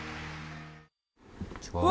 こんにちは。